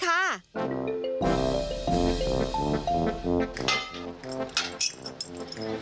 ก็จะนำอาหารที่ทำเสร็จมาเตรียมเสริมให้ลูกค้าโดยใช้วิธีนี้ค่ะ